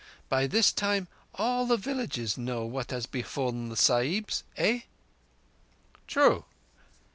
By this time all the villages know what has befallen the Sahibs—eh?" "True.